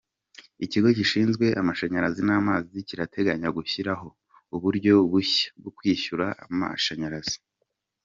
Ikigo gishinzwe amashanyarazi n’amazi kirateganya gushyiraho uburyo bushya bwo kwishyura amashanyarazi